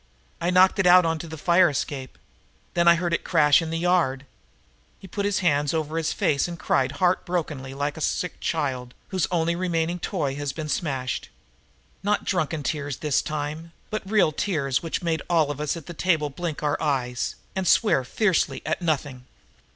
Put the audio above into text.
I knocked it out on the fire escape. Then I heard it crash in the yard." He put his hands over his face and cried heart brokenly like a sick child whose only remaining toy has been smashed. Not drunken tears this time, but real tears which made all of us at the table blink our eyes and swear fiercely at nothing.